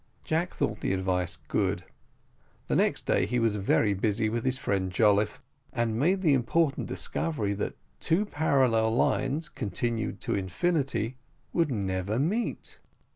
Jack thought the advice good: the next day he was very busy with his friend Jolliffe, and made the important discovery that two parallel lines continued to infinity would never meet.